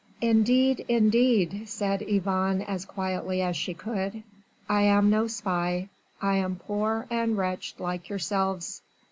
"Indeed, indeed," said Yvonne as quietly as she could, "I am no spy. I am poor and wreched like yourselves!